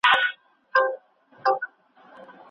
د هر چا حق او حدود معلوم شول.